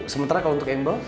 sementara kalau untuk embl